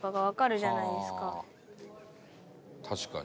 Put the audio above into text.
「確かに」